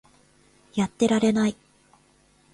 やってられない